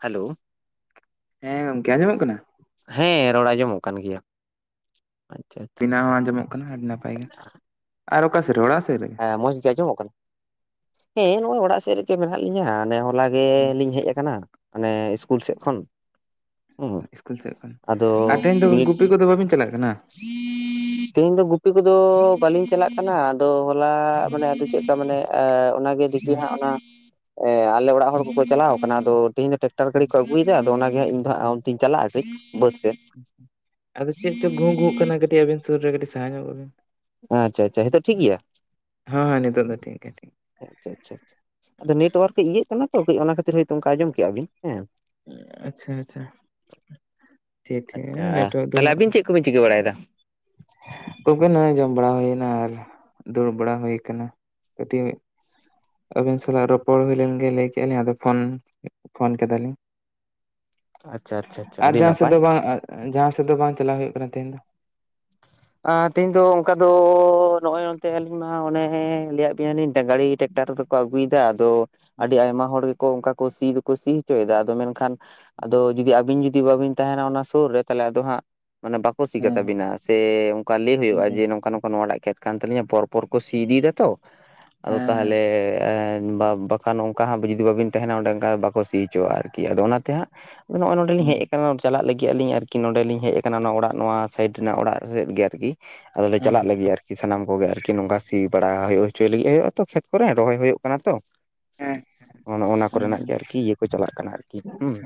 Hello ᱦᱮᱸ ᱜᱚᱝᱠᱮ ᱟᱸᱡᱚᱢᱚᱜ ᱠᱟᱱᱟ? ᱦᱮᱸ ᱨᱚᱲ ᱟᱸᱡᱚᱢᱚᱜ ᱠᱟᱱ ᱜᱮᱭᱟ ᱾ ᱟᱹᱵᱤᱱᱟᱜ ᱦᱚᱸ ᱟᱸᱡᱚᱢᱚᱜ ᱠᱟᱱᱟ ᱟᱹᱰᱤ ᱱᱟᱯᱟᱭ ᱜᱮ᱾ᱟᱨ ᱚᱠᱟ ᱥᱮᱫ ᱨᱮ ᱚᱲᱟᱜ ᱥᱮᱫ ᱨᱮ? ᱦᱮᱸ ᱢᱚᱸᱡᱽ ᱜᱮ ᱟᱸᱚᱢᱚᱜ ᱠᱟᱱᱟ᱾ ᱦᱮᱸ ᱱᱚᱸᱜ-ᱚᱭ ᱚᱲᱟᱜ ᱥᱮᱫ ᱨᱮᱜᱮ ᱢᱮᱱᱟᱜ ᱞᱤᱧᱟᱹ᱾ ᱦᱚᱞᱟ ᱜᱮ ᱞᱤᱧ ᱦᱮᱡ ᱠᱟᱱᱟ ᱢᱟᱱᱮ ᱤᱥᱠᱩᱞ ᱥᱮᱫ ᱠᱷᱚᱱ ᱾ ᱤᱥᱠᱩᱞ ᱥᱮᱫ ᱠᱷᱚᱡ᱾ ᱟᱨ ᱛᱮᱦᱮᱧ ᱫᱚ ᱜᱩᱯᱤ ᱠᱚᱫᱚ ᱵᱟᱹᱵᱤᱱ ᱪᱟᱞᱟᱜ ᱠᱟᱱᱟ? ᱛᱮᱦᱮᱧ ᱫᱚ ᱜᱩᱯᱤ ᱠᱚᱫᱚ ᱵᱟᱹᱞᱤᱧ ᱪᱟᱞᱟᱜ ᱠᱟᱱᱟ ᱟᱫᱚ ᱦᱚᱞᱟ ᱢᱟᱱᱮ ᱟᱫᱚ ᱪᱮᱫ ᱞᱮᱠᱟ ᱢᱟᱱᱮ ᱚᱱᱟᱜᱮ ᱡᱩᱫᱤ ᱦᱟᱸᱜ ᱚᱱᱟ ᱮᱸᱻ ᱟᱞᱮ ᱚᱲᱟᱜ ᱦᱚᱲ ᱠᱚᱠᱚ ᱪᱟᱞᱟᱣ ᱠᱟᱱᱟ᱾ ᱟᱫᱚ ᱛᱤᱦᱤᱧ ᱫᱚ ᱴᱨᱮᱠᱴᱟᱨ ᱜᱟᱹᱰᱤ ᱠᱚ ᱟᱹᱜᱩᱭ ᱫᱟ ᱟᱫᱚ ᱚᱱᱟ ᱜᱮ ᱦᱟᱸᱜ ᱤᱧ ᱦᱟᱸᱜ ᱚᱱᱛᱮᱧ ᱪᱟᱞᱟᱜ-ᱟ ᱠᱟᱹᱡ ᱵᱟᱹᱫᱽ ᱥᱮᱫ᱾ ᱟᱫᱚ ᱪᱮᱫ ᱪᱚ ᱜᱷᱚ, ᱜᱷᱚᱜ ᱠᱟᱱᱟ ᱠᱟᱹᱴᱤᱡ ᱟᱵᱤᱱ ᱥᱩᱨ ᱨᱮ ᱠᱟᱹᱴᱤᱡ ᱥᱟᱦᱟ ᱧᱚᱜᱚᱜ ᱵᱤᱱ᱾ ᱟᱪᱪᱷᱟ, ᱟᱪᱪᱷᱟ ᱦᱤᱛᱳᱜ ᱴᱷᱤᱠ ᱜᱮᱭᱟ? ᱦᱮᱸ ᱦᱮᱸ ᱱᱤᱛᱚᱜ ᱫᱚ ᱴᱷᱤᱠ ᱜᱮᱭᱟ ᱴᱷᱤᱠ ᱟᱪᱪᱷᱟ, ᱟᱪᱪᱷᱟ, ᱟᱪᱪᱷᱟ ᱟᱫᱚ ᱱᱮᱴᱣᱟᱨᱠ ᱠᱟᱹᱡ ᱤᱭᱟᱹᱜ ᱠᱟᱱᱟ ᱛᱚ ᱠᱟᱹᱡ ᱚᱱᱟ ᱠᱷᱟᱹᱛᱤᱨ ᱦᱳᱭ ᱛᱚ ᱚᱱᱠᱟ ᱟᱸᱡᱚᱢ ᱠᱮᱜ-ᱟ ᱵᱤᱱ ᱦᱮᱸ᱾ ᱟᱪᱪᱷᱟ, ᱟᱪᱪᱷᱟ ᱴᱷᱤᱠ ᱴᱷᱤᱠ ᱮᱸᱻ ᱱᱮᱴᱣᱟᱨᱠ ᱜᱮ ᱦᱟᱸᱜ᱾ ᱠᱚ ᱵᱤᱱ ᱪᱤᱠᱟᱹ ᱵᱟᱲᱟᱭ ᱫᱟ? ᱠᱚ ᱜᱮ ᱱᱚᱸᱜ-ᱚᱭ ᱡᱚᱢ ᱵᱟᱲᱟ ᱦᱳᱭᱱᱟ ᱟᱨ ᱫᱩᱲᱩᱵ ᱵᱟᱲᱟ ᱦᱳᱭ ᱠᱟᱱᱟ ᱠᱟᱹᱴᱤᱡ᱾ ᱟᱹᱵᱤᱱ ᱥᱟᱞᱟᱜ ᱨᱚᱯᱚᱲ ᱦᱩᱭ ᱞᱮᱱᱜᱮ ᱞᱟᱹᱭ ᱠᱮᱫᱼᱟ ᱞᱤᱧ ᱟᱫᱚ ᱯᱷᱳᱱ ᱯᱷᱳᱱ ᱠᱮᱫᱟ ᱞᱤᱧ᱾ ᱟᱪᱪᱷᱟ ᱟᱪᱪᱷᱟ ᱟᱪᱪᱷᱟ ᱟᱨ ᱟᱹᱰᱤ ᱡᱟᱦᱟᱸ ᱥᱮᱫ ᱱᱟᱯᱟᱭ ᱫᱚ ᱵᱟᱝ ᱡᱟᱦᱟᱸ ᱥᱮᱫ ᱫᱚ ᱵᱟᱝ ᱪᱟᱞᱟᱣ ᱦᱩᱭᱩᱜ ᱠᱟᱱᱟ ᱛᱮᱦᱮᱧ ᱫᱚ᱾ ᱟᱸ ᱛᱮᱦᱮᱧ ᱫᱚ ᱚᱱᱠᱟ ᱫᱚ ᱱᱚᱜᱼᱚᱭ ᱱᱚᱱᱛᱮ ᱟᱹᱞᱤᱧ ᱢᱟ ᱚᱱᱮ ᱞᱟᱹᱭᱟᱫ ᱵᱮᱱᱟᱞᱤᱧ ᱜᱟᱲᱤ ᱴᱮᱠᱴᱟᱨ ᱫᱚ᱾ ᱠᱚ ᱟᱹᱜᱩᱭ ᱮᱫᱟ ᱟᱫᱚ ᱫᱚ ᱟᱹᱰᱤ ᱟᱭᱢᱟ ᱦᱚᱲ ᱜᱮᱠᱚ ᱚᱱᱠᱟ ᱠᱚ ᱥᱤ ᱫᱚᱠᱚ ᱥᱤ ᱦᱚᱪᱚᱭ ᱮᱫᱟ ᱟᱫᱚ ᱢᱮᱱᱠᱷᱟᱱᱼᱼ ᱟᱫᱚ ᱡᱩᱫᱤ ᱟᱹᱵᱤᱱ ᱡᱩᱫᱤ ᱵᱟᱹᱵᱤᱱ ᱛᱟᱦᱮᱱᱟ ᱚᱱᱟ ᱥᱳᱨ ᱨᱮ ᱛᱟᱦᱚᱞᱮ ᱟᱫᱚ ᱦᱟᱸᱜ ᱢᱟᱱᱮ ᱵᱟᱠᱼᱼ ᱠᱚᱥᱤ ᱦᱮᱸ ᱠᱟᱛᱟ ᱵᱮᱤᱱᱟ ᱥᱮ ᱚᱱᱠᱟ ᱞᱟᱹᱭ ᱦᱩᱭᱩᱜᱼᱟ ᱮᱠᱫᱚᱢ ᱡᱮᱼᱼ ᱚᱱᱚ ᱱᱚᱝᱠᱟ ᱱᱣᱟᱜ ᱴᱟᱜ ᱠᱮᱛ ᱠᱟᱱ ᱛᱟᱞᱤᱧᱟ ᱯᱚᱨᱯᱚᱨ ᱠᱚ ᱥᱤ ᱤᱫᱤᱭ ᱫᱟ ᱛᱚ ᱟᱫᱚ ᱦᱮᱸ ᱛᱟᱦᱚᱞᱮᱼᱼ ᱵᱟᱠᱷᱟᱱ ᱚᱱᱠᱟ ᱦᱟᱸᱜ ᱡᱩᱫᱤ ᱵᱟᱹᱵᱤᱱ ᱛᱟᱦᱮᱱᱟ ᱚᱸᱰᱮ ᱚᱱᱠᱟ ᱵᱟᱠᱚ ᱥᱤ ᱦᱚᱪᱚᱼᱟ ᱟᱨᱠᱤ ᱟᱫᱚ ᱚᱱᱟᱛᱮ ᱦᱟᱸᱜᱼᱼ ᱟᱫᱚ ᱱᱚᱜᱼᱚᱭ ᱱᱚᱰᱮ ᱞᱤᱧ ᱦᱮᱸ ᱦᱮᱡ ᱟᱠᱟᱱᱟ ᱪᱟᱞᱟᱜ ᱞᱟᱹᱜᱤᱫ ᱟᱹᱞᱤᱧ ᱟᱨᱠᱤ ᱱᱚᱸᱰᱮ ᱞᱤᱧ ᱦᱮᱡ ᱟᱠᱟᱱᱟ ᱚᱱᱟ ᱚᱲᱟᱜ ᱱᱚᱣᱟ ᱥᱟᱭᱤᱰ ᱨᱮᱱᱟᱜ ᱚᱲᱟᱜ ᱥᱮᱫ ᱜᱮ᱾ ᱛᱤᱜᱤ ᱟᱫᱚᱞᱮ ᱦᱮᱸ ᱪᱟᱞᱟᱜ ᱞᱟᱹᱜᱤᱫ ᱟᱨᱠᱤ᱾ ᱥᱟᱱᱟᱢ ᱠᱚᱜᱮ ᱟᱨᱠᱤ ᱱᱚᱝᱠᱟ ᱥᱤ ᱵᱟᱲᱟ ᱦᱳᱭᱳᱜ ᱦᱚᱪᱚᱭ ᱞᱟᱹᱜᱤᱫ ᱦᱩᱭᱩᱜᱼᱟ ᱛᱚ ᱠᱷᱮᱛ ᱠᱚᱨᱮ ᱨᱚᱦᱚᱭ ᱦᱩᱭᱩᱜ ᱠᱟᱱᱟ ᱛᱚ᱾ ᱦᱮᱸ ᱱᱚᱜᱱᱟᱜ ᱮᱠᱫᱚᱢ ᱠᱚᱨᱮᱱᱟᱜ ᱮᱠᱫᱚᱢ ᱜᱮ ᱟᱨᱠᱤ ᱤᱭᱟᱹ ᱠᱚ ᱪᱟᱞᱟᱜ ᱠᱟᱱᱟ ᱟᱨᱠᱤ ᱦᱩᱸ᱾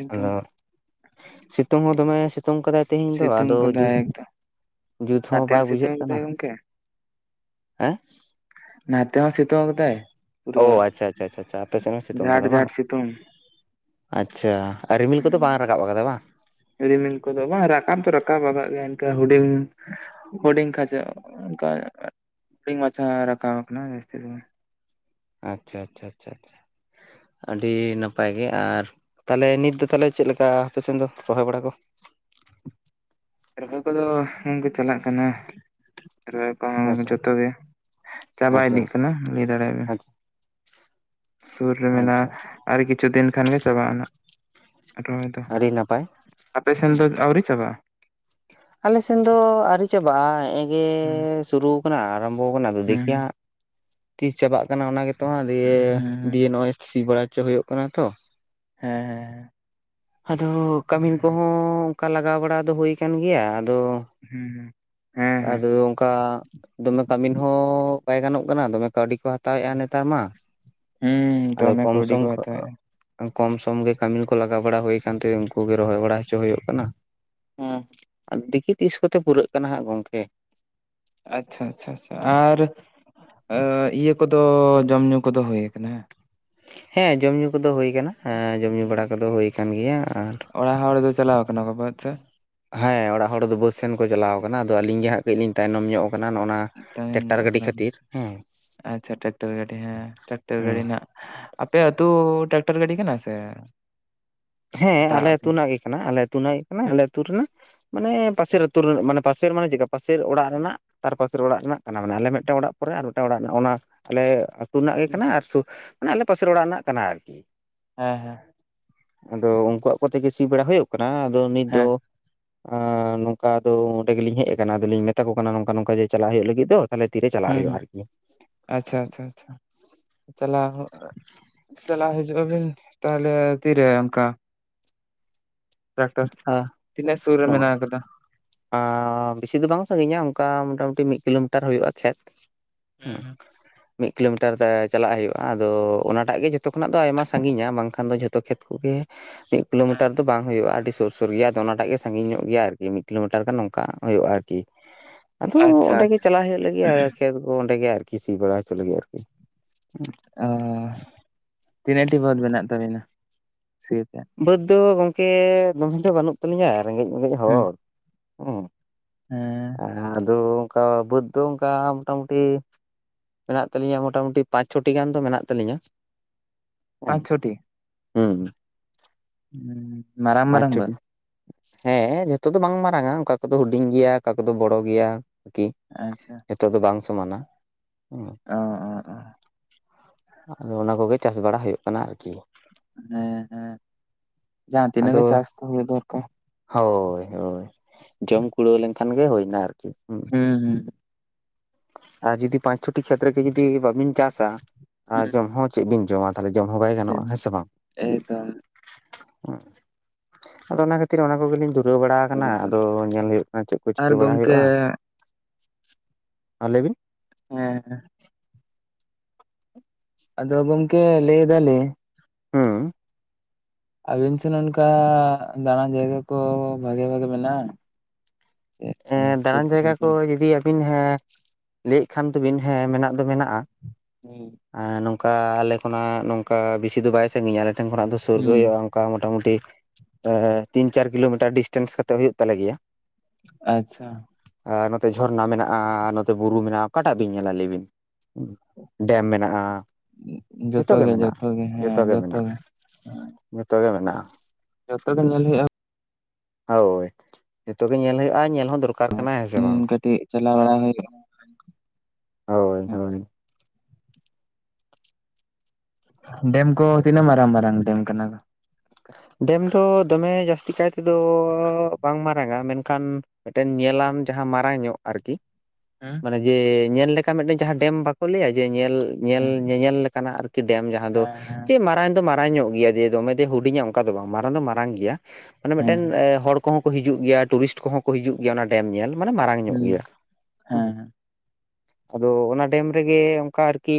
ᱮᱠᱫᱚᱢ ᱟᱫᱚ ᱥᱤᱛᱩᱝ ᱦᱚᱸ ᱫᱚᱢᱮ ᱥᱤᱛᱩᱝ ᱠᱟᱫᱟᱭ ᱛᱤᱦᱤᱧ ᱫᱚ ᱟᱫᱚ᱾ ᱥᱤᱛᱩᱝ ᱛᱚ ᱠᱟᱫᱟᱭ ᱡᱩᱛ ᱮᱠᱫᱚᱢ ᱡᱩᱛ ᱦᱚᱸ ᱱᱟᱛᱮ ᱵᱟᱭ ᱵᱩᱡᱷᱟᱹᱜ ᱥᱤᱛᱩᱝ ᱠᱟᱱᱟ ᱠᱟᱫᱟᱭ ᱜᱚᱝᱠᱮ ᱦᱮᱸᱼᱼ ᱱᱟᱛᱮ ᱦᱚᱸ ᱥᱮᱛᱳᱝ ᱠᱟᱫᱟᱭ᱾ ᱚ ᱯᱩᱨᱟᱹ ᱟᱪᱪᱷᱟ ᱟᱪᱪᱷᱟ ᱟᱪᱪᱷᱟ ᱟᱪᱪᱷᱟ ᱟᱯᱮ ᱥᱮᱱ ᱥᱮᱛᱳᱝ ᱡᱷᱟᱴ ᱠᱟᱫᱟ ᱡᱷᱟᱴ ᱵᱟᱝ᱾ ᱥᱤᱛᱩᱝ ᱟᱪᱪᱷᱟ ᱟᱨ ᱨᱤᱢᱤᱞ ᱠᱚᱫᱚ ᱵᱟᱝ ᱨᱟᱠᱟᱵ ᱠᱟᱫᱟ ᱵᱟᱝ᱾ ᱨᱤᱢᱤᱞ ᱠᱚᱫᱚ ᱵᱟᱝ ᱨᱟᱠᱟᱢ ᱛᱚ ᱨᱟᱠᱟᱵ ᱠᱟᱫ ᱜᱮᱭᱟᱭ ᱤᱱᱠᱟᱹ ᱦᱩᱰᱤᱧ᱾ ᱦᱩᱰᱤᱝ ᱠᱷᱟᱪᱟ ᱚᱱᱠᱟ ᱦᱩᱰᱤᱝ ᱢᱟᱪᱷᱟ ᱨᱟᱠᱟᱵ ᱠᱟᱱᱟ ᱡᱟᱹᱥᱛᱤ ᱫᱚ᱾ ᱟᱪᱪᱷᱟ ᱟᱪᱪᱷᱟ ᱪᱷᱟᱷᱟ ᱟᱪᱪᱷᱟ ᱟᱹᱰᱤ ᱱᱟᱯᱟᱭ ᱜᱮ ᱟᱨᱼᱼ ᱛᱟᱦᱚᱞᱮ ᱱᱤᱛ ᱫᱚ ᱛᱟᱦᱚᱞᱮ ᱪᱮᱫ ᱞᱮᱠᱟ ᱟᱯᱮ ᱥᱮᱱ ᱫᱚ ᱨᱚᱦᱚᱭ ᱵᱟᱲᱟ ᱠᱚ? ᱨᱚᱦᱚᱭ ᱠᱚᱫᱚ ᱜᱚᱝᱠᱮ ᱪᱟᱞᱟᱜ ᱠᱟᱱᱟ ᱾ ᱠᱚᱦᱚᱸ ᱟᱪᱪᱷᱟ ᱡᱚᱛᱚ ᱜᱮ ᱪᱟᱵᱟ ᱟᱪᱪᱷᱟ ᱤᱫᱤᱜ ᱠᱟᱱᱟ ᱞᱟᱹᱭ ᱫᱟᱲᱮ ᱟᱵᱤᱱ᱾ ᱟᱪᱪᱷᱟ ᱥᱩᱨ ᱨᱮ ᱢᱮᱱᱟᱜᱼᱟ ᱟᱪᱪᱷᱟ ᱟᱨ ᱠᱤᱪᱷᱩ ᱫᱤᱱ ᱠᱷᱟᱱ ᱜᱮ ᱪᱟᱵᱟᱜᱼᱟ ᱟᱱᱟ ᱨᱚᱦᱚᱭ ᱫᱚ᱾ ᱟᱹᱰᱤ ᱱᱟᱯᱟᱭ᱾ ᱟᱯᱮ ᱥᱮᱱ ᱫᱚ ᱟᱹᱣᱨᱤ ᱪᱟᱵᱟᱜ-ᱟ? ᱟᱞᱮ ᱥᱮᱱ ᱫᱚ ᱟᱹᱣᱨᱤ ᱪᱟᱵᱟᱜᱼᱟ ᱦᱮᱜ- ᱮ ᱜᱮ ᱦᱮᱸ ᱥᱩᱨᱩ ᱠᱟᱱᱟ ᱟᱨᱟᱢᱵᱚ ᱟᱠᱟᱱᱟ ᱟᱫᱚ ᱦᱮᱸ ᱫᱮᱠᱷᱤ ᱦᱟᱸᱜ ᱛᱤᱥ ᱪᱟᱵᱟᱜ ᱠᱟᱱᱟ ᱚᱱᱟ ᱜᱮᱛᱚ ᱦᱟᱸ ᱦᱮᱸ ᱫᱤᱭᱮ ᱫᱤᱭᱮ ᱱᱚᱜᱼᱚᱭ ᱥᱤ ᱵᱟᱲᱟ ᱦᱚᱪᱚ ᱦᱩᱭᱩᱜ ᱠᱟᱱᱟ ᱛᱚ᱾ ᱦᱮᱸ ᱦᱮᱸ᱾ ᱟᱫᱚ ᱠᱟᱹᱢᱤᱱ ᱦᱮᱸ ᱠᱚᱦᱚᱸ ᱚᱱᱠᱟ ᱞᱟᱜᱟᱣ ᱵᱟᱲᱟ ᱫᱚ ᱦᱩᱭ ᱠᱟᱱ ᱜᱮᱭᱟ ᱟᱫᱚ᱾ ᱦᱮᱸ ᱦᱮᱸ ᱟᱫᱚ ᱚᱱᱠᱟᱼᱼ ᱫᱚᱢᱮ ᱠᱟᱹᱢᱤᱱ ᱦᱚᱸ ᱵᱟᱭ ᱜᱟᱱᱚᱜ ᱠᱟᱱᱟ ᱫᱚᱢᱮ ᱠᱟᱹᱣᱰᱤ ᱠᱚ ᱦᱟᱛᱟᱣ ᱮᱫᱼᱟ ᱱᱮᱛᱟᱨ ᱢᱟ᱾ ᱦᱩᱸᱻ ᱟᱫᱚ ᱠᱚᱢ ᱥᱚᱢ ᱠᱚ ᱠᱚᱢ ᱥᱚᱢ ᱜᱮ ᱠᱟᱹᱢᱤ ᱠᱚ ᱞᱟᱜᱟᱣ ᱵᱟᱲᱟ ᱦᱩᱭ ᱠᱟᱱᱛᱮ ᱩᱱᱠᱩ ᱜᱮ ᱨᱚᱦᱚᱭ ᱵᱟᱲᱟ ᱦᱚᱪᱚ ᱦᱩᱭᱩᱜ ᱠᱟᱱᱟ᱾ ᱦᱩᱸ᱾ ᱟᱨ ᱫᱤᱠᱤ ᱛᱤᱥ ᱠᱚᱛᱮ ᱯᱩᱨᱟᱹᱜ ᱠᱟᱱᱟ ᱦᱟᱸᱜ ᱜᱚᱢᱠᱮᱼᱼ ᱟᱪᱪᱷᱟ ᱟᱪᱪᱷᱟ ᱟᱪᱪᱷᱟ ᱟᱨ ᱤᱭᱟᱹ ᱠᱚᱫᱚ ᱡᱚᱢ ᱧᱩ ᱠᱚᱫᱚ ᱦᱩᱭ ᱟᱠᱱᱟ ᱦᱮ᱾ ᱦᱮᱸ ᱡᱚᱢ ᱧᱩ ᱠᱚᱫᱚ ᱦᱳᱭ ᱟᱠᱟᱱᱟ ᱦᱮᱸ ᱡᱚᱢ ᱧᱩ ᱵᱟᱲᱟ ᱠᱚᱫᱚ ᱦᱳᱭ ᱟᱠᱟᱱ ᱜᱮᱭᱟ ᱟᱨᱼᱼ ᱚᱲᱟᱜ ᱦᱚᱲ ᱫᱚ ᱪᱟᱞᱟᱣ ᱠᱟᱱᱟ ᱠᱚ ᱵᱟᱹᱫᱽ ᱥᱮᱫ᱾ ᱦᱮᱸ ᱚᱲᱟᱜ ᱦᱚᱲ ᱫᱚ ᱵᱟᱹᱫᱽ ᱥᱮᱱ ᱠᱚ ᱪᱟᱞᱟᱣ ᱠᱟᱱᱟ ᱟᱫᱚ ᱟᱹᱞᱤᱧ ᱜᱮ ᱦᱟᱸᱜ ᱠᱟᱹᱡ ᱞᱤᱧ ᱛᱟᱭᱱᱚᱢ ᱧᱚᱸᱜ ᱟᱠᱟᱱᱟ ᱱᱚᱸᱜᱼᱱᱟᱼᱼ ᱛᱟᱭᱚᱢ ᱧᱚᱜ ᱠᱟᱱᱟᱵᱤᱱ ᱟᱪᱪᱷᱟ ᱴᱟᱠᱴᱟᱨ ᱜᱟᱹᱰᱤ ᱦᱮᱸ ᱴᱟᱠᱴᱟᱨ ᱜᱟᱹᱰᱤ ᱦᱮᱸ ᱦᱟᱜᱼᱼ ᱟᱯᱮ ᱟᱹᱛᱩ ᱴᱟᱠᱴᱟᱨ ᱜᱟᱹᱰᱤ ᱠᱟᱱᱟ ᱥᱮᱼᱼ ᱦᱮᱸ ᱟᱞᱮ ᱟᱹᱛᱩ ᱨᱮᱱᱟᱜ ᱜᱮ ᱠᱟᱱᱟ ᱟᱞᱮ ᱟᱹᱛᱩ ᱨᱮᱱᱟᱜ ᱜᱮ ᱠᱟᱱᱟ ᱦᱩᱸ ᱟᱞᱮ ᱟᱹᱛᱩ ᱨᱮᱱᱟᱜ᱾ ᱢᱟᱱᱮ ᱯᱟᱥᱮᱨ ᱦᱩᱸ ᱟᱹᱛᱩ ᱨᱮᱱᱟᱜ ᱢᱟᱱᱮ ᱯᱟᱥᱮᱨ ᱢᱟᱱᱮ ᱪᱮᱫᱠᱟ ᱯᱟᱥᱮᱨ ᱚᱲᱟᱜ ᱨᱮᱱᱟᱜᱼᱼ ᱛᱟᱨ ᱯᱟᱥᱮᱨ ᱚᱲᱟᱜ ᱨᱮᱱᱟᱜ ᱠᱟᱱᱟ ᱢᱟᱱᱮ ᱟᱞᱮ ᱢᱤᱫᱴᱟᱝ ᱚᱲᱟᱜ ᱯᱚᱨᱮ ᱟᱨ ᱢᱤᱫᱴᱟᱝ ᱚᱲᱟᱜ ᱢᱮᱱᱟᱜ ᱟ ᱚᱱᱟ ᱟᱞᱮ ᱥᱩᱨ ᱨᱮᱱᱟᱜ ᱜᱮ ᱠᱟᱱᱟ ᱟᱨ ᱢᱟᱱᱮ ᱟᱞᱮ ᱯᱟᱥᱮᱨ ᱚᱲᱟᱜ ᱨᱮᱱᱟᱜ ᱠᱟᱱᱟ ᱟᱨᱠᱤ ᱾ ᱦᱮᱸ ᱦᱮᱸ ᱾ ᱟᱫᱚ ᱩᱱᱠᱩᱣᱟᱜ ᱠᱚᱛᱮ ᱜᱮ ᱥᱤ ᱵᱟᱲᱟ ᱦᱩᱭᱩᱜ ᱠᱟᱱᱟ ᱟᱫᱚ ᱱᱤᱛ ᱫᱚ ᱦᱮᱸ ᱱᱚᱝᱠᱟ ᱟᱫᱚ ᱚᱸᱰᱮ ᱜᱮᱞᱤᱧ ᱦᱮᱡ ᱠᱟᱱᱟ ᱟᱫᱚ ᱞᱤᱧ ᱢᱮᱛᱟ ᱠᱟᱱᱟ ᱱᱚᱝᱠᱟ ᱱᱚᱝᱠᱟ ᱡᱮ ᱪᱟᱞᱟᱜ ᱦᱩᱭᱩᱜ ᱞᱟᱹᱜᱤᱫ ᱫᱚ ᱾ ᱛᱟᱞᱦᱮ ᱛᱤᱨᱮ ᱪᱟᱞᱟᱜ ᱦᱩᱸ ᱦᱩᱭᱩᱜᱼᱟ ᱦᱩᱸ ᱟᱨᱠᱤ? ᱟᱪᱪᱷᱟ ᱟᱪᱪᱷᱟ ᱟᱪᱪᱷᱟ ᱾ ᱪᱟᱞᱟᱣ ᱦᱚᱸ ᱪᱟᱞᱟᱣ ᱦᱤᱡᱩᱜ ᱟᱵᱤᱱ ᱛᱟᱦᱚᱞᱮ ᱛᱤᱨᱮ ᱚᱱᱠᱟ ᱾ ᱴᱨᱟᱠᱴᱚᱨ ᱦᱮᱸ ᱛᱤᱱᱟᱹᱜ ᱥᱩᱨ ᱨᱮ ᱱᱚᱣᱟ ᱢᱮᱱᱟᱜ ᱟᱠᱟᱫᱟ? ᱵᱮᱥᱤ ᱫᱚ ᱵᱟᱝ ᱥᱟᱹᱜᱤᱧ ᱟ ᱚᱱᱠᱟ ᱢᱚᱴᱟᱢᱩᱴᱤ ᱢᱤᱫ ᱠᱤᱞᱳᱢᱤᱴᱟᱨ ᱦᱩᱭᱩᱜᱼᱟ ᱠᱷᱮᱛ ᱦᱩᱸ ᱦᱮᱸ ᱢᱤᱫ ᱠᱤᱞᱳᱢᱤᱴᱟᱨ ᱛᱮ ᱪᱟᱞᱟᱜ ᱦᱩᱭᱩᱜᱼᱟ ᱟᱫᱚ ᱚᱱᱟᱴᱟᱜ ᱜᱮ ᱡᱷᱚᱛᱚ ᱠᱷᱚᱱᱟᱜ ᱫᱚ ᱟᱭᱢᱟ ᱥᱟᱹᱜᱤᱧ ᱟ ᱵᱟᱝᱠᱷᱟᱱ ᱫᱚ ᱡᱷᱚᱛᱚ ᱠᱷᱮᱛ ᱠᱚᱜᱮ ᱢᱤᱫ ᱦᱮᱸ ᱠᱤᱞᱳᱢᱤᱴᱟᱨ ᱫᱚ ᱵᱟᱝ ᱦᱩᱭᱩᱜᱼᱟ ᱟᱹᱰᱤ ᱥᱩᱨ ᱥᱩᱨ ᱜᱮᱭᱟ ᱟᱫᱚ ᱚᱱᱟᱴᱟᱜ ᱜᱮ ᱥᱟᱹᱜᱤᱧ ᱧᱚᱸᱜ ᱜᱮᱭᱟ ᱟᱨᱠᱤ ᱢᱤᱫ ᱠᱤᱞᱳᱢᱤᱴᱟᱨ ᱜᱟᱱ ᱚᱱᱠᱟ ᱦᱩᱭᱩᱜᱼᱟ ᱟᱨᱠᱤ ᱾ ᱟᱫᱚ ᱟᱪᱪᱷᱟ ᱚᱸᱰᱮ ᱟᱪᱪᱷᱟ ᱜᱮ ᱪᱟᱞᱟᱜ ᱦᱩᱭᱩᱜ ᱞᱟᱹᱜᱤᱫ ᱟᱨ ᱠᱷᱮᱛ ᱠᱚ ᱚᱸᱰᱮ ᱜᱮ ᱟᱨᱠᱤ ᱥᱤ ᱵᱟᱲᱟ ᱦᱚᱪᱚ ᱞᱟᱹᱜᱤᱫ ᱟᱨᱠᱤ ᱾ ᱚ ᱛᱤᱱᱟᱹᱜ ᱴᱤ ᱵᱟᱹᱫᱽ ᱢᱮᱱᱟᱜ ᱛᱟᱵᱤᱱᱟ ᱥᱤᱭᱳᱜ ᱛᱮ? ᱵᱟᱹᱫᱽ ᱫᱚ ᱜᱚᱢᱠᱮ ᱫᱚᱢᱮ ᱫᱚ ᱵᱟᱹᱱᱩᱜ ᱛᱟᱹᱞᱤᱧᱟ ᱨᱮᱸᱜᱮᱡ ᱚᱨᱮᱡ ᱦᱩᱸ ᱦᱚᱲ ᱦᱩᱸ ᱦᱮᱸ ᱾ ᱟᱫᱚ ᱚᱱᱠᱟ ᱵᱟᱹᱫᱽ ᱫᱚ ᱚᱱᱠᱟ ᱢᱳᱚᱴᱟᱢᱩᱴᱤ ᱢᱮᱱᱟᱜ ᱛᱟᱹᱞᱤᱧᱟ ᱢᱳᱴᱟᱢᱩᱴᱤ ᱯᱟᱸᱪ ᱪᱷᱚᱴᱤ ᱜᱟᱱ ᱫᱚ ᱢᱮᱱᱟᱜ ᱛᱟᱹᱞᱤᱧᱟ ᱦᱩᱸ ᱯᱟᱸᱪ ᱾ ᱪᱷᱚᱴᱤ ᱦᱩᱸ ᱾ ᱦᱩᱸ ᱾ ᱯᱟᱸᱪ ᱪᱷᱚᱴᱤ ᱾ ᱦᱮᱸ ᱡᱷᱚᱛᱚ ᱫᱚ ᱵᱟᱝ ᱢᱟᱨᱟᱝᱟ ᱚᱠᱟ ᱠᱚᱫᱚ ᱦᱩᱰᱤᱧ ᱜᱮᱭᱟ ᱚᱠᱟ ᱠᱚᱫᱚ ᱵᱚᱲᱚ ᱜᱮᱭᱟ ᱟᱨᱠᱤ ᱾ ᱟᱪᱪᱷᱟ ᱾ ᱡᱷᱚᱛᱚ ᱫᱚ ᱵᱟᱝ ᱥᱚᱢᱟᱱᱟ ᱦᱩᱸ ᱚ ᱚ ᱚ ᱾ ᱟᱫᱚ ᱚᱱᱟ ᱠᱚᱜᱮ ᱪᱟᱥ ᱵᱟᱲᱟ ᱦᱩᱭᱩᱜ ᱠᱟᱱᱟ ᱟᱨᱠᱤ ᱾ ᱦᱮᱸ ᱦᱮᱸ ᱡᱟᱦᱟᱸ ᱛᱤᱱᱟᱹᱜ ᱜᱮ ᱟᱫᱚ ᱪᱟᱥ ᱛᱚ ᱦᱩᱭᱩᱜ ᱫᱚᱨᱠᱟᱨ ᱾ ᱦᱳᱭ ᱦᱳᱭ ᱡᱚᱢ ᱠᱩᱲᱟᱹᱣ ᱞᱮᱱᱠᱷᱟᱱ ᱜᱮ ᱦᱩᱭᱱᱟ ᱟᱨᱠᱤ ᱾ ᱦᱩᱸ ᱦᱩᱸ ᱾ ᱟᱨ ᱡᱩᱫᱤ ᱯᱟᱸᱪ ᱪᱷᱚᱴᱤ ᱠᱷᱮᱛᱨᱮᱜᱮ ᱡᱩᱫᱤ ᱵᱟᱵᱤᱱ ᱪᱟᱥᱟ ᱟᱨ ᱡᱚᱢ ᱦᱚᱸ ᱪᱮᱫ ᱵᱤᱱ ᱡᱚᱢᱟ ᱾ ᱛᱟᱞᱦᱮ ᱡᱚᱢ ᱦᱚᱸ ᱵᱟᱭ ᱜᱟᱱᱚᱜᱼᱟ ᱦᱮᱸ ᱥᱮ ᱵᱟᱝ? ᱮᱠᱫᱚᱢ ᱟᱫᱚ ᱚᱱᱟ ᱠᱷᱟᱹᱛᱤᱨ ᱚᱱᱟ ᱠᱚᱜᱮ ᱞᱤᱧ ᱾ ᱫᱷᱩᱨᱟᱹᱣ ᱵᱟᱲᱟ ᱟᱠᱟᱱᱟ ᱮᱠᱫᱚᱢ ᱟᱫᱚ ᱧᱮᱞ ᱦᱩᱭᱩᱜ ᱠᱟᱱᱟ ᱪᱮᱫ ᱠᱚ ᱟᱨ ᱪᱤᱠᱟᱹ ᱵᱟᱲᱟ ᱜᱚᱢᱠᱮ ᱦᱩᱭᱩᱜᱼᱟ ᱾ ᱦᱮᱸ ᱞᱟᱹᱭ ᱵᱤᱱ ᱾ ᱦᱮᱸ ᱦᱮ ᱸ ᱾ ᱟᱫᱚ ᱜᱚᱢᱠᱮ ᱞᱟᱹᱭ ᱮᱫᱟ ᱞᱤᱧ ᱾ ᱦᱩᱸ ᱾ [unintelligible] ᱟᱹᱵᱤᱱ ᱥᱮᱱ ᱚᱱᱠᱟ ᱫᱟᱸᱬᱟᱱ ᱡᱟᱭᱜᱟ ᱠᱚ ᱵᱷᱟᱜᱮ ᱵᱷᱟᱜᱮ ᱢᱮᱱᱟᱜᱼᱟ? ᱥᱩᱨ ᱫᱟᱸᱬᱟᱱ ᱥᱩᱯᱩᱨ ᱡᱟᱭᱜᱟ ᱠᱚ ᱠᱚᱨᱮ ᱡᱩᱫᱤ ᱟᱹᱵᱤᱱ ᱦᱮᱸ ᱞᱟᱹᱭᱮᱫ ᱠᱷᱟᱱ ᱫᱚᱵᱤᱱ ᱦᱮᱸ ᱢᱮᱱᱟᱜ ᱫᱚ ᱢᱮᱱᱟᱜᱼᱟ ᱾ ᱦᱩᱸ ᱾ ᱱᱚᱝᱠᱟ ᱟᱞᱮ ᱠᱷᱚᱱᱟᱜ ᱱᱚᱝᱠᱟ ᱵᱮᱥᱤ ᱫᱚ ᱵᱟᱭ ᱥᱟᱹᱜᱤᱧᱟ ᱟᱞᱮ ᱴᱷᱮᱱ ᱠᱷᱚᱱᱟᱜ ᱫᱚ ᱥᱩᱨᱜᱮ ᱦᱩᱸ ᱦᱩᱭᱩᱜᱼᱟ ᱾ ᱚᱱᱠᱟ ᱢᱚᱴᱟᱢᱩᱴᱤ ᱛᱤᱱ ᱪᱟᱨ ᱠᱤᱞᱳᱢᱤᱴᱟᱨ ᱰᱤᱥᱴᱮᱱᱥ ᱠᱟᱛᱮᱜ ᱦᱩᱭᱩᱜ ᱛᱟᱞᱮ ᱜᱮᱭᱟ ᱾ ᱟᱪᱷᱟ ᱾ ᱟᱨ ᱱᱚᱛᱮ ᱡᱷᱚᱨᱱᱟ ᱢᱮᱱᱟᱜᱼᱟ ᱱᱚᱛᱮ ᱵᱩᱨᱩ ᱢᱮᱱᱟᱜᱼᱟ ᱚᱠᱟᱴᱟᱜ ᱵᱤᱱ ᱧᱮᱞᱟ ᱞᱟᱹᱭ ᱵᱤᱱ? ᱰᱮᱢ ᱢᱮᱱᱟᱜᱼᱟ ᱾ ᱡᱚᱛᱚᱜᱮ ᱡᱚᱛᱚᱜᱮ ᱦᱮᱸ ᱜᱮ ᱢᱮᱱᱟᱜᱼᱟ ᱡᱚᱛᱚᱜᱮ ᱦᱮᱸ ᱡᱚᱛᱚ ᱜᱮ ᱢᱮᱱᱟᱜ-ᱟ ᱡᱚᱛᱚ ᱜᱮ ᱧᱮᱞ ᱦᱩᱭᱩᱜ-ᱟ ᱦᱳᱭ ᱡᱚᱛᱚ ᱜᱮ ᱧᱮᱞ ᱦᱩᱭᱩᱜ-ᱟ ᱧᱮᱞ ᱦᱚᱸ ᱫᱚᱨᱠᱟᱨ ᱦᱮᱸ ᱥᱮ ᱦᱩᱭᱩᱜᱼᱟ ᱵᱟᱝ? ᱠᱟᱹᱴᱤᱡ ᱪᱟᱞᱟᱣ ᱵᱟᱲᱟ ᱦᱩᱭᱩᱜᱼᱟ ᱦᱳᱭ ᱦᱳᱭ ᱰᱮᱢ ᱠᱚ ᱛᱤᱱᱟᱹᱜ ᱢᱟᱨᱟᱝ ᱢᱟᱨᱟᱝ ᱰᱮᱢ ᱠᱟᱱᱟ ᱠᱟᱱᱟ? ᱰᱮᱢ ᱫᱚ ᱫᱚᱢᱮ ᱡᱟᱹᱥᱛᱤ ᱠᱟᱭ ᱛᱮᱫᱚ ᱵᱟᱝ ᱢᱟ ᱨᱟᱝ-ᱟ ᱢᱮᱱᱠᱷᱟᱱ ᱢᱤᱫ ᱴᱮᱱ ᱧᱮᱞᱟᱱ ᱡᱟᱦᱟᱸ ᱢᱟᱨᱟᱝ ᱧᱚᱜ ᱟᱨᱠᱤ ᱦᱩᱸ ᱚᱱᱮ ᱡᱮ ᱧᱮᱞ ᱞᱮᱠᱟ ᱢᱤᱫ ᱴᱮᱱ ᱡᱟᱦᱟᱸ ᱰᱮᱢ ᱵᱟᱠᱚ ᱞᱟᱹᱭᱟ ᱡᱮ ᱧᱮᱞ ᱧᱮᱞ ᱦᱮᱸ ᱧᱮᱧᱮᱞ ᱞᱮᱠᱟᱱᱟᱜ ᱟᱨᱠᱤ ᱠᱤ ᱰᱮᱢ ᱡᱟᱦᱟᱸ ᱫᱚ ᱦᱮᱸ ᱡᱮ ᱢᱟᱨᱟᱝ ᱫᱚ ᱢᱟᱨᱟᱝ ᱧᱚᱜ ᱜᱮᱭᱟ ᱡᱮ ᱫᱚᱢᱮ ᱫᱤᱭᱮ ᱦᱩᱰᱤᱧᱟ ᱚᱱᱠᱟ ᱫᱚ ᱵᱟᱝ ᱢᱟᱨᱟᱝ ᱫᱚ ᱢᱟᱨᱟᱝ ᱜᱮᱭᱟ ᱢᱟᱱᱮ ᱦᱮᱸ ᱢᱤᱫᱴᱮᱱ ᱦᱚᱲ ᱠᱚᱸᱦᱚᱸ ᱠᱚ ᱦᱤᱡᱩᱜ ᱜᱮᱭᱟ ᱴᱩᱨᱤᱥᱴ ᱠᱚᱦᱚᱸ ᱠᱚ ᱦᱤᱡᱩᱜ ᱜᱮᱭᱟ ᱚᱱᱟ ᱰᱮᱢ ᱧᱮᱞ ᱢᱟᱱᱮ ᱢᱟᱨᱟᱝ ᱧᱚᱜ ᱦᱮᱸ ᱜᱮᱭᱟ ᱦᱩᱦᱩ ᱦᱮᱸ ᱦᱮᱸ ᱟᱫᱚ ᱚᱱᱟ ᱰᱮᱢ ᱨᱮᱜᱮ ᱚᱱᱠᱟ ᱟᱨᱠᱤ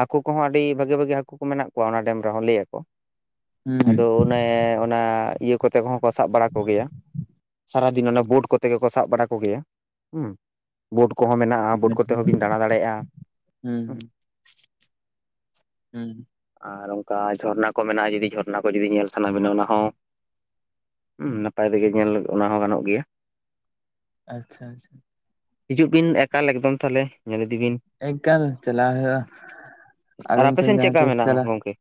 ᱦᱟᱹᱠᱩ ᱠᱚᱦᱚᱸ ᱟᱹᱰᱤ ᱵᱷᱟᱹᱜᱤ ᱵᱷᱟᱹᱜᱤ ᱦᱟᱹᱠᱩ ᱠᱚ ᱢᱮᱱᱟᱜ ᱠᱚᱣᱟ ᱚᱱᱟ ᱰᱮᱢ ᱨᱮᱦᱚᱸ ᱞᱟᱹᱭᱟᱠᱚ ᱟᱫᱚ ᱚᱱᱮ ᱚᱱᱟ ᱤᱭᱟᱹ ᱠᱚᱛᱮ ᱠᱚᱦᱚᱸ ᱠᱚ ᱥᱟᱵ ᱵᱟᱲᱟ ᱠᱚ ᱜᱮᱭᱟ ᱥᱟᱨᱟ ᱫᱤᱱ ᱚᱱᱟ ᱵᱳᱴ ᱠᱚᱛᱮ ᱜᱮᱠᱚ ᱥᱟᱵ ᱵᱟᱲᱟ ᱠᱚ ᱜᱮᱭᱟ ᱦᱚᱸ ᱵᱳᱴ ᱠᱚᱦᱚᱸ ᱢᱮᱱᱟᱜ-ᱟ ᱵᱳᱴ ᱠᱚᱛᱮ ᱦᱚᱸ ᱵᱤᱱ ᱫᱟᱬᱟ ᱫᱟᱲᱮᱭᱟᱜ-ᱟ ᱦᱩᱸ ᱦᱩᱸ ᱦᱩᱸ ᱟᱨ ᱚᱱᱠᱟ ᱡᱷᱚᱨᱱᱟ ᱠᱚ ᱢᱮᱱᱟᱜ-ᱟ ᱡᱩᱫᱤ ᱡᱷᱚᱨᱱᱟ ᱠᱚ ᱡᱩᱫᱤ ᱧᱮᱞ ᱥᱟᱱᱟ ᱵᱮᱱᱟ ᱚᱱᱟ ᱦᱚᱸ ᱦᱩᱸ ᱱᱟᱯᱟᱭ ᱛᱮᱜᱮ ᱧᱮᱞ ᱚᱱᱟ ᱦᱚᱸ ᱜᱟᱱᱚᱜ ᱜᱮᱭᱟ ᱟᱪᱷᱟ ᱟᱪᱷᱟ ᱦᱤᱡᱩᱜ ᱵᱤᱱ ᱮᱠᱟᱞ ᱮᱠᱫᱚᱢ ᱛᱟᱦᱚᱞᱮ ᱧᱮᱞ ᱤᱫᱤ ᱵᱤᱱ ᱮᱠᱟᱞ ᱪᱟᱞᱟᱜ ᱦᱩᱭᱩᱜ-ᱟ ᱟᱨ ᱟᱵᱤᱱ ᱥᱮᱱ ᱟᱯᱮᱥᱮᱱ ᱡᱟᱦᱟᱸ ᱪᱮᱫᱠᱟ ᱛᱮᱥ ᱢᱮᱱᱟᱜᱼᱟ ᱪᱟᱞᱟ ᱜᱚᱝᱠᱮ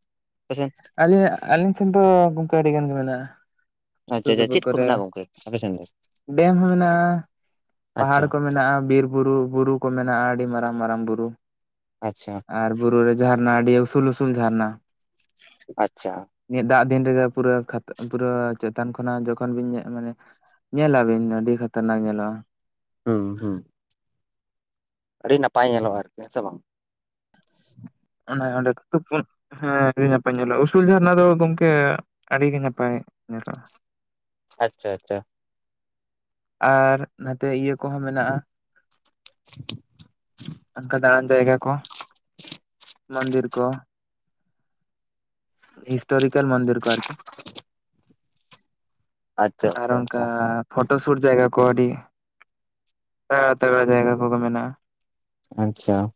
ᱟᱯᱮᱥᱮᱱ ᱟᱹᱞᱤᱧᱟᱜ ᱟᱹᱞᱤᱧ ᱴᱷᱮᱱ ᱫᱚ ᱜᱚᱝᱠᱮ ᱟᱹᱰᱤ ᱜᱟᱱ ᱜᱮ ᱢᱮᱱᱟᱜ-ᱟ ᱟᱪᱪᱷᱟ ᱥᱩᱨ ᱟᱪᱪᱷᱟ ᱥᱩᱯᱩᱨ ᱪᱮᱫ ᱠᱚ ᱠᱚᱨᱮ ᱢᱮᱱᱟᱜᱼᱟ ᱜᱚᱝᱠᱮ ᱟᱯᱮᱥᱮᱱ ᱫᱚ ᱰᱮᱢ ᱦᱚᱸ ᱢᱮᱱᱟᱜ-ᱟ ᱯᱟᱦᱟᱲ ᱟᱪᱪᱷᱟ ᱠᱚ ᱢᱮᱱᱟᱜ-ᱟ ᱵᱤᱨ ᱵᱩᱨᱩ ᱵᱩᱨᱩ ᱠᱚ ᱢᱮᱱᱟᱜ-ᱟ ᱟᱹᱰᱤ ᱢᱟᱨᱟᱝ ᱢᱟᱨᱟᱝ ᱵᱩᱨᱩ ᱟᱪᱷᱟ ᱟᱨ ᱵᱩᱨᱩ ᱨᱮ ᱡᱷᱟᱨᱱᱟ ᱟᱹᱰᱤ ᱩᱥᱩᱞ ᱩᱥᱩᱞ ᱡᱷᱟᱨᱱᱟ ᱟᱪᱷᱟ ᱱᱤᱭᱟᱹ ᱫᱟᱜ ᱫᱤᱱ ᱨᱮᱜᱮ ᱯᱩᱨᱟᱹᱣ ᱠᱷᱟᱛᱟ ᱯᱩᱨᱟᱹᱣ ᱪᱮᱛᱟᱱ ᱠᱷᱚᱱᱟᱜ ᱡᱚᱠᱷᱚᱱ ᱵᱤᱱ ᱧᱮᱞ ᱢᱟᱱᱮ ᱧᱮᱞᱟ ᱵᱤᱱ ᱟᱹᱰᱤ ᱠᱷᱟᱛᱚᱨᱱᱟᱠ ᱧᱮᱞᱚᱜ-ᱟ ᱦᱩᱸ ᱦᱩᱸ ᱟᱹᱰᱤ ᱱᱟᱯᱟᱭ ᱧᱮᱞᱚᱜ-ᱟ ᱟᱨᱠᱤ ᱦᱮᱸ ᱥᱮ ᱵᱟᱝ? ᱚᱱᱮ ᱚᱸᱰᱮ [unintelligible] ᱦᱮᱸ ᱟᱹᱰᱤ ᱱᱟᱯᱟᱭ ᱧᱮᱞᱚᱜ-ᱟ ᱩᱥᱩᱞ ᱡᱷᱟᱨᱱᱟ ᱫᱚ ᱜᱚᱝᱠᱮ ᱟᱹᱰᱤ ᱜᱮ ᱱᱟᱯᱟᱭ ᱧᱮᱞᱚᱜ-ᱟ ᱟᱪᱪᱷᱟ ᱟᱪᱪᱷᱟ ᱟᱨ ᱱᱟᱛᱮ ᱤᱭᱟᱹ ᱠᱚᱦᱚᱸ ᱢᱮᱱᱟᱜ-ᱟ ᱫᱟᱲᱟᱱ ᱡᱟᱭᱜᱟ ᱠᱚ ᱢᱟ. ᱱᱫᱤᱨ ᱠᱚ ᱦᱤᱥᱴᱳᱨᱤᱠᱟᱞ ᱢᱟ. ᱱᱫᱤᱨ ᱠᱚ ᱟᱨ ᱠᱤ ᱟᱪᱪᱷᱟ ᱟᱨ ᱚᱱᱠᱟ ᱟᱪᱪᱷᱟ ᱯᱷᱳᱴᱳ ᱥᱩᱴ ᱡᱟᱭᱜᱟ ᱠᱚ ᱟᱹᱰᱤ ᱛᱟᱜᱟᱲᱟ ᱛᱟᱜᱟᱲᱟ ᱡᱟᱭᱜᱟ ᱠᱚ ᱢᱮᱱᱟᱜ-ᱟ ᱟᱪᱷᱟ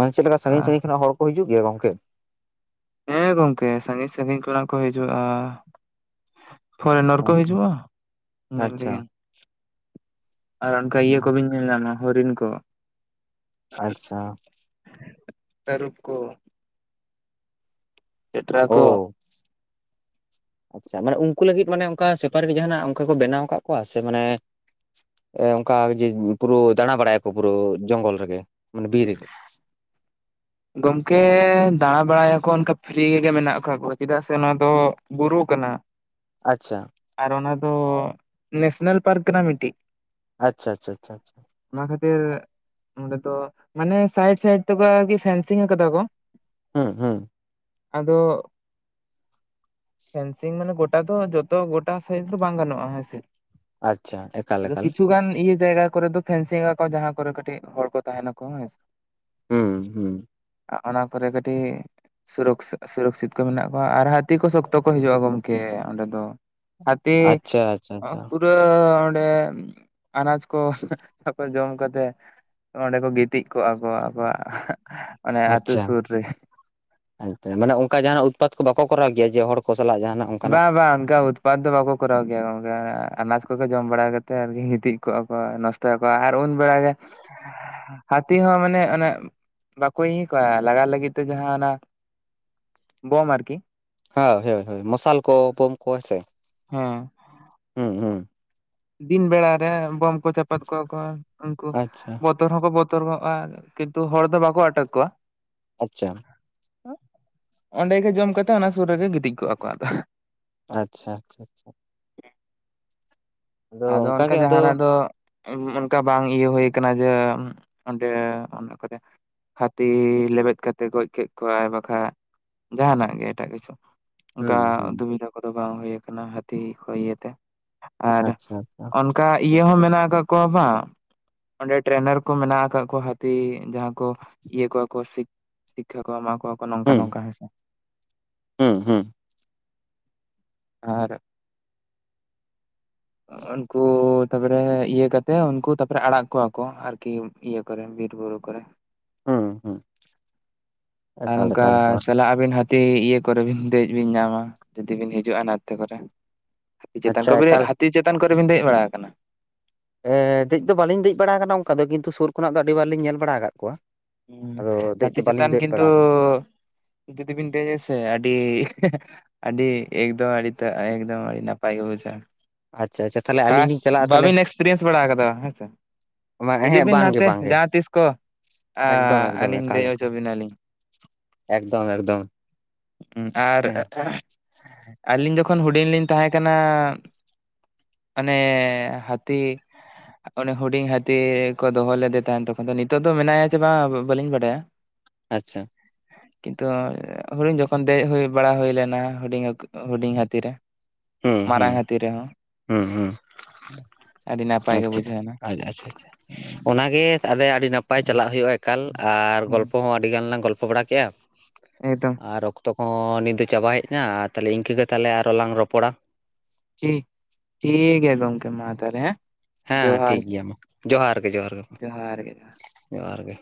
ᱢᱟᱱ ᱪᱮᱫ ᱞᱮᱠᱟ ᱥᱟᱺᱜᱤᱧ ᱟᱨ ᱥᱟᱺᱜᱤᱧ ᱠᱷᱚᱱᱟᱜ ᱦᱚᱲ ᱠᱚ ᱦᱤᱡᱩᱜ ᱜᱮᱭᱟ ᱜᱚᱝᱠᱮ? ᱦᱮᱸ ᱜᱚᱢᱠᱮ ᱥᱟᱺᱜᱤᱧ ᱥᱟᱺᱜᱤᱧ ᱠᱷᱚᱱᱟᱜ ᱠᱚ ᱦᱤᱡᱩᱜ-ᱟ᱾ ᱯᱷᱚᱨᱱᱚᱨ ᱠᱚ ᱟᱪᱪᱷᱟ ᱦᱤᱡᱩᱜ ᱧᱮᱞ ᱟᱪᱪᱷᱟ ᱛᱮᱜᱮ᱾ ᱟᱨ ᱚᱱᱠᱟ ᱤᱭᱟᱹ ᱠᱚᱵᱤᱱ ᱧᱮᱞ ᱧᱟᱢᱟ ᱦᱚᱨᱤᱱ ᱠᱚ᱾ ᱟᱪᱪᱷᱟ ᱛᱟᱨᱩᱯ ᱠᱚ, ᱮᱴᱨᱟ ᱠᱚ, ᱳ ᱟᱪᱪᱷᱟ ᱢᱟᱱᱮ ᱩᱱᱠᱩ ᱞᱟᱹᱜᱤᱫ ᱢᱟᱱᱮ ᱚᱱᱠᱟ ᱥᱮᱯᱟᱨᱤ ᱡᱟᱦᱟᱸ ᱱᱟᱜ ᱚᱱᱠᱟ ᱠᱚ ᱵᱮᱱᱟᱣ ᱠᱚᱣᱟ ᱥᱮ ᱢᱟᱱᱮ ᱮ ᱚᱱᱠᱟ ᱡᱮ ᱯᱩᱨᱟᱹ ᱫᱟᱬᱟ ᱵᱟᱲᱟᱭ ᱟᱠᱚ ᱯᱩᱨᱟᱹ ᱡᱚᱝᱜᱚᱞ ᱨᱮᱜᱮ ᱢᱟᱱᱮ ᱵᱤᱨ ᱨᱮᱜᱮ᱾ ᱜᱚᱢᱠᱮ ᱫᱟᱬᱟ ᱵᱟᱲᱟᱭ ᱟᱠᱚ ᱚᱱᱠᱟ ᱯᱷᱨᱤ ᱨᱮᱜᱮ ᱢᱮᱱᱟᱜ ᱠᱟᱜ ᱠᱚᱣᱟ, ᱪᱮᱫᱟᱜ ᱥᱮ ᱱᱚᱣᱟ ᱫᱚ ᱵᱩᱨᱩ ᱠᱟᱱᱟ᱾ [inaudible] ᱟᱪᱪᱷᱟ, ᱟᱨ ᱚᱱᱟ ᱫᱚ ᱱᱮᱥᱱᱮᱞ ᱯᱟᱨᱠ ᱠᱟᱱᱟ ᱢᱤᱫᱴᱤᱡ᱾ ᱟᱪᱪᱷᱟ ᱟᱪᱪᱷᱟ ᱟᱪᱪᱷᱟ, ᱚᱱᱟ ᱠᱷᱟᱹᱛᱤᱨ ᱱᱚᱸᱰᱮ ᱫᱚ ᱢᱟᱱᱮ ᱥᱟᱭᱤᱰ ᱥᱟᱭᱤᱰ ᱛᱮᱠᱚ ᱟᱨᱠᱤ ᱥᱮᱱ- ᱥᱤᱝ ᱠᱟᱫᱟ ᱠᱚ᱾ ᱦᱩᱸ ᱦᱩᱸ ᱟᱫᱚ ᱯᱷᱮᱱᱥᱤᱝ ᱢᱟᱱᱮ ᱜᱚᱴᱟ ᱫᱚ ᱡᱚᱛᱚ ᱜᱚᱴᱟ ᱥᱮᱡᱽ ᱫᱚ ᱵᱟᱝ ᱜᱟᱱᱚᱜ-ᱟ ᱦᱮᱸᱥᱮ᱾ ᱟᱪᱪᱷᱟ ᱮᱠᱟᱞ ᱟᱫᱚ ᱮᱠᱟᱞ ᱠᱤᱪᱷᱩ ᱜᱟᱱ ᱤᱭᱟᱹ ᱡᱟᱭᱜᱟ ᱠᱚᱨᱮ ᱫᱚ ᱯᱷᱮᱱᱥᱤᱝ ᱟᱠᱚ ᱡᱟᱦᱟᱸ ᱠᱚᱨᱮ ᱠᱟᱹᱴᱤᱡ ᱦᱚᱲ ᱠᱚ ᱛᱟᱦᱮᱱᱟ ᱠᱚ ᱦᱮᱸ ᱥᱮ᱾ ᱦᱩᱸ ᱦᱩᱸ ᱚᱱᱟ ᱠᱚᱨᱮ ᱠᱟᱹᱴᱤᱡ ᱥᱩᱨᱚᱠ ᱥᱩᱨᱚᱠᱥᱤᱛ ᱠᱚ ᱢᱮᱱᱟᱜ ᱠᱚᱣᱟ ᱟᱨ ᱦᱟᱹᱛᱤ ᱠᱚ ᱥᱚᱠᱛᱚ ᱠᱚ ᱦᱤᱡᱩᱜ-ᱟ ᱜᱚᱢᱠᱮ ᱟᱞᱮ ᱫᱚ᱾ ᱦᱟᱹᱛᱤ ᱟᱪᱪᱷᱟ ᱟᱪᱪᱷᱟ ᱟᱪᱪᱷᱟ [unintelligible] ᱯᱩᱨᱟᱹ ᱚᱸᱰᱮ ᱟᱱᱟᱡ ᱠᱚ ᱟᱠᱚ ᱡᱚᱢ ᱠᱟᱛᱮ ᱚᱸᱰᱮ ᱠᱚ ᱜᱤᱛᱤᱡ ᱠᱚᱜ-ᱟ ᱠᱚ ᱟᱠᱚᱣᱟᱜ ᱚᱱᱮ ᱟᱹᱛᱩ ᱥᱩᱨ ᱨᱮ᱾ ᱦᱚᱭᱛᱮ ᱢᱟᱱᱮ ᱚᱱᱠᱟ ᱡᱟᱦᱟᱸ ᱱᱟᱜ ᱩᱛᱯᱟᱛ ᱠᱚ ᱵᱟᱠᱚ ᱠᱚᱨᱟᱣ ᱜᱮᱭᱟ ᱡᱮ ᱦᱚᱲ ᱠᱚ ᱥᱟᱞᱟᱜ ᱡᱟᱦᱟᱸ ᱱᱟᱜ? ᱵᱟᱝ ᱵᱟᱝ ᱚᱱᱠᱟ ᱩᱛ- ᱯᱟᱛ ᱫᱚ ᱵᱟᱠᱚ ᱠᱚᱨᱟᱣ ᱜᱮᱭᱟ ᱜᱚᱢᱠᱮ ᱟᱱᱟᱡᱽ ᱠᱚᱜᱮ ᱡᱚᱢ ᱵᱟᱲᱟ ᱠᱟᱛᱮᱫ ᱟᱨᱠᱤ ᱜᱤᱛᱤᱡ ᱠᱚᱜ-ᱟ ᱠᱚᱣᱟ ᱱᱚᱥᱴ- ᱛᱚᱨᱟ ᱠᱚᱣᱟ ᱟᱨ ᱩᱱ ᱵᱮᱲ ᱜᱮ᱾ ᱦᱟᱹᱛᱤ ᱦᱚᱸ ᱢᱟᱱᱮ ᱚᱱᱮᱜ ᱵᱟᱠᱚ ᱤᱭᱟᱹ ᱠᱚᱣᱟ ᱞᱟᱜᱟᱜ ᱞᱟᱹᱜᱤᱫ ᱛᱮ ᱡᱟᱦᱟᱸ ᱚᱱᱟ ᱵᱚᱢ ᱟᱨᱠᱤ ᱦᱟ ᱦᱳᱭ ᱦᱳᱭ ᱢᱚᱥᱟᱞ ᱠᱚ ᱵᱚᱢ ᱠᱚ ᱦᱮᱸ ᱥᱮ᱾ ᱦᱮᱸ ᱦᱩᱸ ᱦᱩᱸ ᱫᱤᱱ ᱵᱮᱲᱟ ᱨᱮ ᱵᱚᱢ ᱠᱚ ᱪᱟᱯᱟᱫ ᱠᱚᱣᱟ ᱠᱚ ᱩᱱᱠᱩ ᱟᱪᱪᱷᱟ ᱵᱚ- ᱛᱚᱨ ᱦᱚᱸᱠᱚ ᱵᱚᱛᱚᱨ ᱜᱚᱜ-ᱟ, ᱠᱤᱱᱛᱩ ᱦᱚᱲ ᱫᱚ ᱵᱟᱠᱚ ᱟᱴᱚᱠ ᱠᱚᱣᱟ᱾ ᱟᱪᱪᱷᱟ, ᱚᱸᱰᱮ ᱜᱮ ᱡᱚᱢ ᱠᱟᱛᱮᱜ ᱚᱱᱟ ᱥᱩᱨ ᱨᱮᱜᱮ ᱜᱤᱛᱤᱡ ᱠᱚᱜ-ᱟ ᱠᱚ ᱟᱫᱚ᱾ ᱟᱪᱪᱷᱟ ᱟᱪᱪᱷᱟ ᱟᱪᱪᱷᱟ, ᱟᱫᱚ ᱚᱱᱠᱟ ᱡᱟᱦᱟᱸ ᱱᱟᱜ ᱫᱚ ᱚᱱᱠᱟ ᱵᱟᱝ ᱤᱭᱟᱹ ᱦᱩᱭ ᱠᱟᱱᱟ ᱡᱮ, ᱚᱸᱰᱮ ᱚᱱᱟ ᱠᱚᱨᱮ ᱦᱟᱹᱛᱤ ᱞᱮᱵᱮᱫ ᱠᱟᱛᱮ ᱜᱚᱡ ᱠᱮᱫ ᱠᱚᱣᱟᱭ ᱵᱟᱠᱷᱟᱡ ᱡᱟᱦᱟᱸ ᱱᱟᱜ ᱜᱮ ᱮᱴᱟᱜ ᱠᱤᱪᱷᱩ᱾ ᱚᱱᱠᱟ ᱦᱩᱸ ᱦᱩᱸ ᱫᱩᱵᱤᱫᱷᱟ ᱠᱚᱫᱚ ᱵᱟᱝ ᱦᱩᱭ ᱠᱟᱱᱟ ᱦᱟᱹᱛᱤ ᱠᱷᱚᱱ ᱤᱭᱟᱹᱛᱮ ᱟᱨ ᱟᱪᱪᱷᱟ, ᱚᱱᱠᱟ ᱤᱭᱟᱹ ᱦᱚᱸ ᱢᱮᱱᱟᱜ ᱟᱠᱟᱫ ᱠᱚᱣᱟ ᱵᱟᱝ᱾ ᱚᱸᱰᱮ ᱴᱨᱮᱱᱟᱨ ᱠᱚ ᱢᱮᱱᱟᱜ ᱟᱠᱟᱫ ᱠᱚ ᱦᱟᱹᱛᱤ ᱡᱟᱦᱟᱸ ᱠᱚ ᱤᱭᱟᱹ ᱠᱚᱣᱟ ᱠᱚ ᱥᱤ ᱥᱤᱠᱠᱷᱟ ᱠᱚ ᱮᱢᱟ ᱠᱚᱣᱟ ᱠᱚ ᱱᱚᱝᱠᱟ ᱱᱚᱝᱠᱟ ᱦᱮ ᱥᱮ᱾ ᱦᱮᱸ ᱦᱩᱸ᱾ ᱟᱨ ᱩᱱᱠᱩ ᱛᱟᱯᱚᱨᱮ ᱤᱭᱟᱹ ᱠᱟᱛᱮᱜ ᱩᱱᱠᱩ ᱛᱟᱯᱚᱨᱮ ᱟᱲᱟᱜ ᱠᱚᱣᱟ ᱠᱚ ᱟᱨᱠᱤ ᱤᱭᱟᱹ ᱠᱚᱨᱮ ᱵᱤᱨ ᱵᱩᱨᱩ ᱠᱚᱨᱮ᱾ ᱦᱩᱸ ᱦᱩᱸ ᱟᱨ ᱮᱠᱟᱞ ᱚᱝᱠᱟ ᱮᱠᱟᱞ ᱮᱠᱟᱞ ᱪᱟᱞᱟᱜ ᱟᱵᱤᱱ ᱦᱟ ᱤᱭᱟᱹ ᱠᱚᱨᱮ ᱫᱮᱡ ᱵᱤᱱ ᱧᱟᱢᱟ ᱡᱩᱫᱤ ᱵᱤᱱ ᱱᱚᱛᱮ ᱠᱚᱨᱮ᱾ ᱪᱮᱛᱟᱱ ᱟᱪᱪᱷᱟ ᱠᱚᱨᱮ ᱮᱠᱟᱞ ᱦᱟᱹᱛᱤ ᱪᱮᱛᱟᱱ ᱠᱚᱨᱮ ᱵᱤᱱ ᱫᱮᱡ ᱵᱟᱲᱟ ᱟᱠᱟᱱᱟ? ᱫᱮᱡ ᱫᱚ ᱵᱟᱹᱞᱤᱧ ᱫᱮᱡ ᱵᱟᱲᱟ ᱟᱠᱟᱱᱟ ᱚᱱᱠᱟ ᱫᱚ ᱠᱤᱱᱛᱩ ᱥᱩᱨ ᱠᱷᱚᱱᱟᱜ ᱫᱚ ᱟᱹᱰᱤᱵᱟᱨ ᱞᱤᱧ ᱧᱮᱞ ᱵᱟᱲᱟ ᱟᱠᱟᱫ ᱠᱚᱣᱟ᱾ ᱦᱩᱸ ᱟᱫᱚ ᱫᱮᱡ ᱦᱟᱹᱛᱤ ᱫᱚ ᱵᱟᱹᱞᱤᱧ ᱪᱮᱛᱟᱱ ᱫᱮᱡ ᱠᱤᱱᱛᱩ ᱵᱟᱲᱟ ᱟᱠᱟᱱᱟ ᱡᱩᱫᱤ ᱵᱤᱱ ᱫᱮᱡ ᱟᱥᱮ ᱟᱹᱰᱤ ᱟᱹᱰᱤ ᱮᱠᱫᱚᱢ ᱟᱹᱰᱤ ᱴᱟᱜ ᱮᱠᱫᱚᱢ ᱟᱹᱰᱤ ᱱᱟᱯᱟᱭ ᱜᱮ ᱵᱩᱡᱟᱹᱜ ᱟ᱾ ᱟᱪᱪᱷᱟ ᱟᱪᱪᱷᱟ᱾ ᱛᱟᱦᱚᱞᱮ ᱟᱹᱞᱤᱧ ᱠᱷᱟᱥ ᱞᱤᱧ ᱪᱟᱞᱟᱜᱼᱟ ᱛᱟᱦᱚᱞᱮ ᱵᱟᱹᱵᱤᱱ ᱮᱠᱥᱯᱮᱨᱤᱭᱮᱱᱥ ᱵᱟᱲᱟ ᱟᱠᱟᱫᱟ ᱦᱮᱸᱥᱮ᱾ ᱦᱤᱡᱩᱜ ᱦᱮᱸ ᱵᱤᱱ ᱵᱟᱝᱜᱮ ᱱᱟᱛᱮ ᱵᱟᱝᱜᱮ ᱡᱟᱦᱟᱸ ᱛᱤᱥ ᱠᱚ ᱮᱠᱫᱚᱢ ᱮᱠᱫᱚᱢ ᱟᱹᱞᱤᱧ ᱮᱠᱟᱞ ᱫᱮᱡ ᱦᱚᱪᱚ ᱮᱠᱟᱞ ᱵᱤᱱᱟᱞᱤᱧ᱾ ᱮᱠᱫᱚᱢ ᱮᱠᱫᱚᱢ ᱟᱨ ᱦᱮᱸ [unintelligible] ᱟᱹᱞᱤᱧ ᱡᱚᱠᱷᱚᱱ ᱦᱩᱰᱤᱧ ᱞᱤᱧ ᱛᱟᱦᱮᱸ ᱠᱟᱱᱟ᱾ ᱢᱟᱱᱮ ᱦᱟᱹᱛᱤ ᱩᱱᱤ ᱦᱩᱰᱤᱧ ᱦᱟᱹᱛᱤ ᱠᱚ ᱫᱚᱦᱚ ᱞᱮᱫᱮ ᱛᱟᱦᱮᱱ ᱛᱚᱠᱷᱚᱱ ᱫᱚ ᱱᱤᱛᱚᱜ ᱫᱚ ᱢᱮᱱᱟᱭᱟ ᱪᱮ ᱵᱟᱝ ᱵᱟᱹᱞᱤᱧ ᱵᱟᱰᱟᱭᱟ᱾ [inaudible] ᱟᱪᱪᱷᱟ᱾ ᱠᱤᱱᱛᱩ ᱦᱩᱰᱤᱧ ᱡᱚᱠᱷᱚᱱ ᱫᱮᱡ ᱦᱩᱭ ᱵᱟᱲᱟ ᱦᱩᱭ ᱞᱮᱱᱟ ᱦᱩᱰᱤᱧ ᱦᱩᱰᱤᱧ ᱦᱟᱹᱛᱤ ᱨᱮ᱾ ᱦᱩᱸ ᱦᱩᱸ ᱢᱟᱨᱟᱝ ᱦᱟᱹᱛᱤ ᱨᱮᱦᱚᱸ ᱦᱩᱸ ᱦᱩᱸ ᱟᱹᱰᱤ ᱱᱟᱯᱟᱭ ᱜᱮ ᱟᱪᱪᱷᱟ ᱵᱩᱡᱷᱟᱹᱣᱱᱟ ᱟᱪᱪᱷᱟ ᱟᱪᱪᱷᱟ ᱚᱱᱟᱜᱮ ᱛᱟᱦᱞᱮ ᱟᱹᱰᱤ ᱱᱟᱯᱟᱭ ᱪᱟᱞᱟᱜ ᱦᱩᱭᱩᱜᱼᱟ ᱮᱠᱟᱞ ᱟᱨ ᱦᱮᱸ ᱜᱚᱞᱯᱚ ᱦᱚᱸ ᱟᱹᱰᱤ ᱜᱟᱱ ᱞᱟᱝ ᱜᱚᱞᱯᱚ ᱵᱟᱲᱟ ᱠᱮᱜᱼᱟ᱾ ᱮᱠᱫᱚᱢ ᱟᱨ ᱚᱠᱛᱚ ᱠᱚᱦᱚᱸ ᱱᱤᱛ ᱫᱚ ᱪᱟᱵᱟ ᱦᱮᱡ ᱮᱱᱟ ᱟᱨ ᱛᱟᱞᱦᱮ ᱤᱱᱠᱟᱹ ᱜᱮ ᱛᱟᱞᱦᱮ ᱟᱨᱚ ᱞᱟᱝ ᱨᱚᱯᱚᱲᱟ᱾ ᱴᱷᱤᱠ ᱴᱷᱤᱠ ᱜᱮᱭᱟ ᱜᱚᱢᱠᱮ ᱢᱟ ᱛᱟᱦᱚᱞᱮ ᱦᱮᱸ᱾ ᱦᱮᱸ ᱡᱚᱦᱟᱨ ᱴᱷᱤᱠ ᱜᱮ ᱜᱮᱭᱟ ᱢᱟ ᱡᱚᱦᱟᱨ ᱜᱮ ᱡᱚᱦᱟᱨ ᱜᱮ ᱢᱟ ᱡᱚᱦᱟᱨ ᱜᱮ ᱡᱚᱦᱟᱨ ᱡᱚᱦᱟᱨ ᱜᱮ᱾